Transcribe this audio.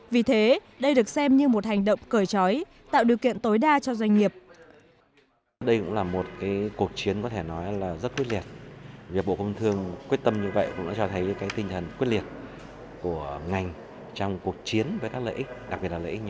vì thế đây được xem như một hành động cởi trói tạo điều kiện tối đa cho doanh nghiệp